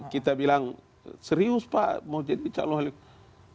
kita bilang serius pak mau jadi calon wali kota